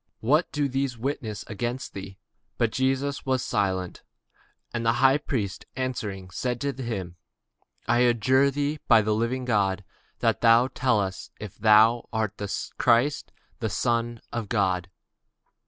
what is it which these witness against thee? But Jesus held his peace. And the high priest answered and said unto him, I adjure thee by the living God, that thou tell us whether thou be the Christ, the Son of God.